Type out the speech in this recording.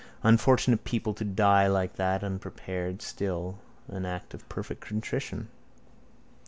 Unfortunate people to die like that, unprepared. Still, an act of perfect contrition.